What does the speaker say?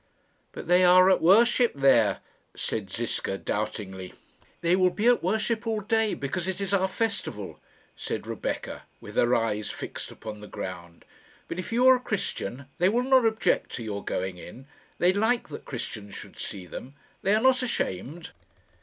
"But they are at worship there," said Ziska, doubtingly. "They will be at worship all day, because it is our festival," said Rebecca, with her eyes fixed upon the ground; "but if you are a Christian they will not object to your going in. They like that Christians should see them. They are not ashamed."